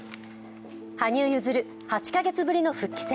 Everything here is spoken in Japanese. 羽生結弦、８カ月ぶりの復帰戦。